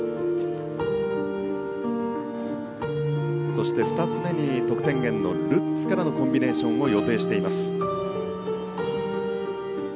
そして２つ目に得点源のルッツからのコンビネーションも予定しています。